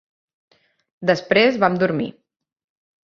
Després vam dormir.